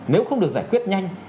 nếu không được giải quyết nhanh